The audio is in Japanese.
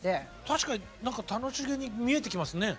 確かに何か楽しげに見えてきますね。